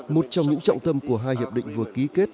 một trong những trọng tâm của hai hiệp định vừa ký kết